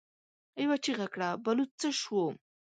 يوه چيغه کړه: بلوڅ څه شو؟